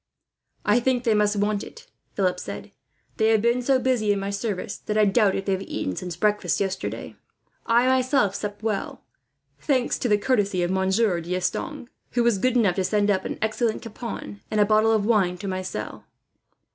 "I think they must want it," Philip said. "They have been so busy, in my service, that I doubt if they have eaten since breakfast yesterday. I myself supped well, thanks to the courtesy of Monsieur D'Estanges, who was good enough to send up an excellent capon, and a bottle of wine to my cell."